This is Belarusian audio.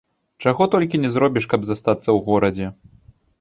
Чаго толькі ні зробіш, каб застацца ў горадзе!